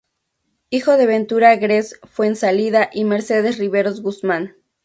Hijo de Ventura Grez Fuenzalida y Mercedes Riveros Guzmán.